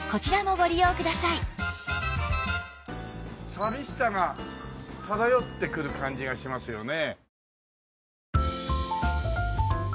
寂しさが漂ってくる感じがしますよね。